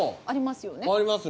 ありますね